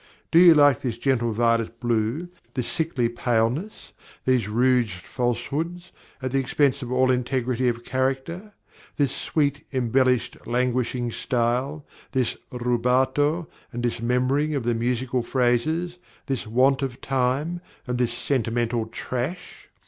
Do you like this gentle violet blue, this sickly paleness, these rouged falsehoods, at the expense of all integrity of character? this sweet, embellished, languishing style, this rubato and dismembering of the musical phrases, this want of time, and this sentimental trash?